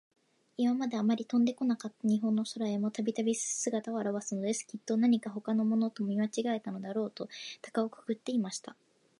いままで、あまり飛んでこなかった日本の空へも、たびたび、すがたをあらわすのです。きっと、なにかほかのものと、見まちがえたのだろうと、たかをくくっていました。